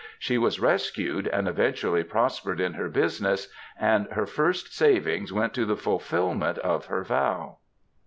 She was rescued, and eventually prospered in her business, and her first savings went to the fulfilment of her vow.